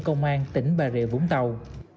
công an tỉnh bà rịa vũng tàu